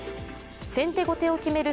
先手後手を決める